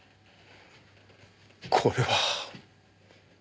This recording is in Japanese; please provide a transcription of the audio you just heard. これは。